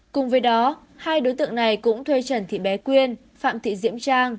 cùng với đó hai đối tượng này cũng thuê trần thị bé quyên phạm thị diễm trang